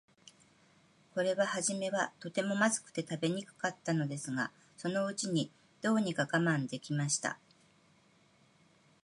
これははじめは、とても、まずくて食べにくかったのですが、そのうちに、どうにか我慢できました。